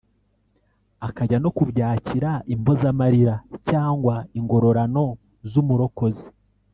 akajya no kubyakira impozamarira cyangwa ingororano z’umurokozi